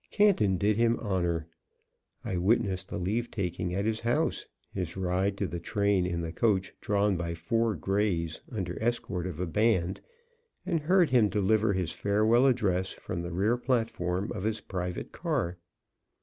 Canton did him honor. I witnessed the leave taking at his house, his ride to the train in the coach drawn by four greys under escort of a band, and heard him deliver his farewell address from the rear platform of his private car.